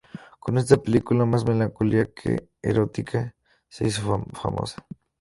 Con esta película, más melancólica que erótica, se hizo famosa.